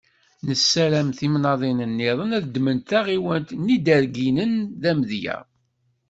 Nessaram timnaḍin-nniḍen ad ddment taɣiwant n Iderginen d amedya.